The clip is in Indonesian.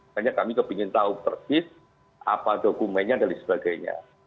hanya kami kepingin tahu persis apa dokumennya dan sebagainya